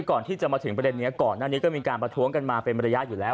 ก่อนที่จะมาถึงประเด็นนี้ก่อนหน้านี้ก็มีการประท้วงกันมาเป็นระยะอยู่แล้ว